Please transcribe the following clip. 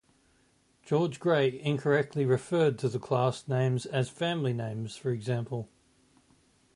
George Grey incorrectly referred to the class names as family names, for example.